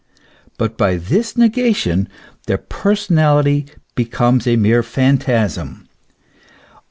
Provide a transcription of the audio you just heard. But by this negation their personality becomes a mere phantasm.